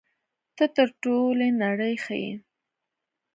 ته تر ټولې نړۍ ښه یې.